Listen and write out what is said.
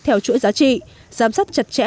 theo chuỗi giá trị giám sát chặt chẽ